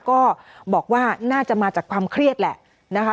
ก็บอกว่าน่าจะมาจากความเครียดแหละนะคะ